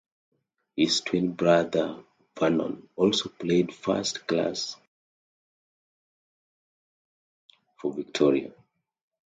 His twin brother, Vernon, also played first-class cricket for Victoria.